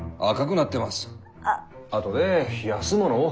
あとで冷やすものを。